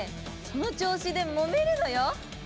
その調子でもめるのよ！